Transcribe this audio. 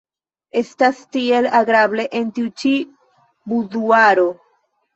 Estas tiel agrable en tiu ĉi buduaro.